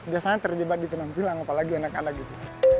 biasanya terjebak di penampilan apalagi anak anak gitu